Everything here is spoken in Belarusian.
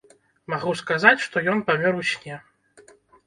Магу сказаць, што ён памёр у сне.